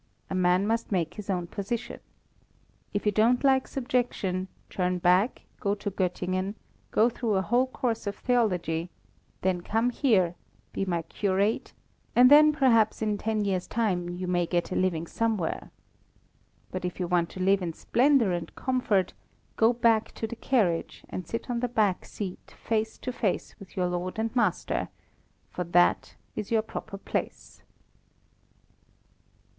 A man must make his own position. If you don't like subjection, turn back, go to Göttingen, go through a whole course of theology then come here, be my curate, and then perhaps in ten years' time you may get a living somewhere. But if you want to live in splendour and comfort, go back to the carriage, and sit on the back seat face to face with your lord and master, for that is your proper place."